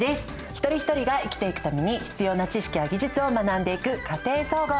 一人一人が生きていくために必要な知識や技術を学んでいく「家庭総合」。